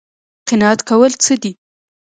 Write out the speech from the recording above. قناعت کول څه دي؟